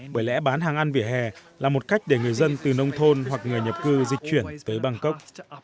bởi lẽ bán hàng ăn vỉa hè là một cách để người dân từ nông thôn hoặc người nhập cư dịch chuyển tới bangkok